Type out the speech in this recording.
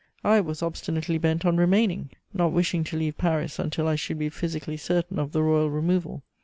I was obstinately bent on remaining, not wishing to leave Paris until I should be physically certain of the royal removal.